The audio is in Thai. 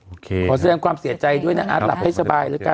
ขอแสดงความเสียใจด้วยนะอาร์ตหลับให้สบายแล้วกัน